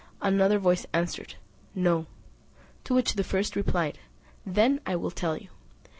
Another voice answered, "No." To which the first replied, "Then I will tell you.